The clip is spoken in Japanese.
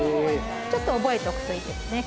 ちょっと覚えとくといいですね。